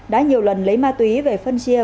đã nhiều lần lấy ma túy về phân chia